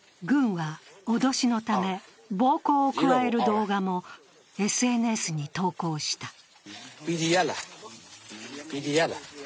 軍は脅しのため、暴行を加える動画もＳＮＳに投稿した。